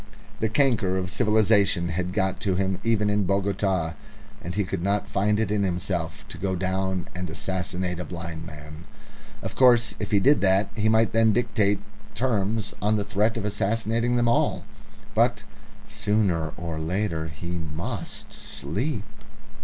The canker of civilisation had got to him even in Bogota, and he could not find it in himself to go down and assassinate a blind man. Of course, if he did that, he might then dictate terms on the threat of assassinating them all. But sooner or later he must sleep!...